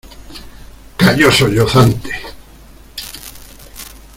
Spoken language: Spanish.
calló sollozante.